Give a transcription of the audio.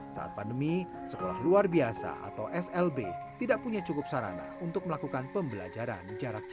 saat pandemi sekolah luar biasa atau slb tidak punya cukup sarana untuk melakukan pembelajaran jarak jauh